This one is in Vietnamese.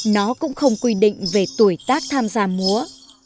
nó cũng không quy định về tuổi tác tham gia múa